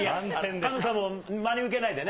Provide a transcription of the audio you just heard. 菅野さんも真に受けないでね。